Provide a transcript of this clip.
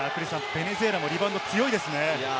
ベネズエラもリバウンド強いですね。